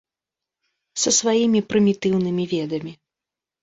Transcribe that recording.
Са сваімі прымітыўнымі ведамі.